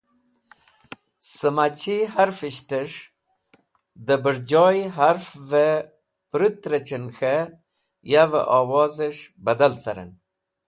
Sẽmachi harfishtẽs̃h dẽ bẽrjoy harfẽvẽ prũt rec̃hẽn k̃hẽ yavẽ owzẽs̃h badalẽn